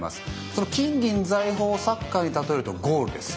その金銀財宝をサッカーに例えるとゴールです。